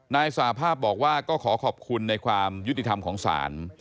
นายสาภาพบอกว่าก็ขอขอบคุณในความยุติธรรมของศาล